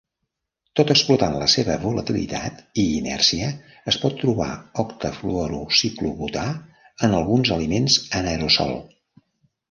Tot explotant la seva volatilitat i inèrcia, es pot trobar octafluorociclobutà en alguns aliments en aerosol.